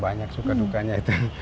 banyak suka dukanya itu